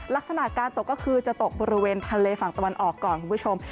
ลักษณะการตกก็คือจะตกบริเวณทะเลฝั่งตะวันออกก่อนคุณผู้ชม